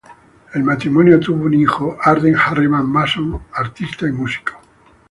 El matrimonio tuvo un hijo, Arden Harriman Mason, artista y músico.